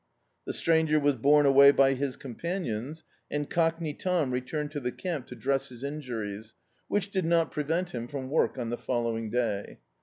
Hie stranger was borne away by his com panions, and Cockney Tom returned to the camp to dress his injuries, which did not prevent him from work on the following day.